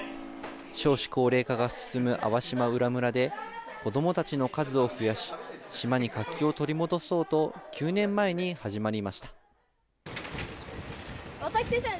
少子高齢化が進む粟島浦村で、子どもたちの数を増やし、島に活気を取り戻そうと、９年前に始まりました。